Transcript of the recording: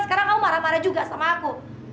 sekarang kamu marah marah juga sama aku